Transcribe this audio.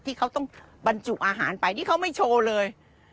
ที่เขาต้องบรรจุอาหารไปนี่เขาไม่โชว์เลย